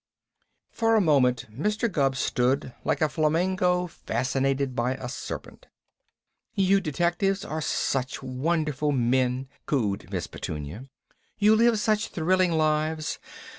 For a moment Mr. Gubb stood like a flamingo fascinated by a serpent. "You detectives are such wonderful men!" cooed Miss Petunia. "You live such thrilling lives!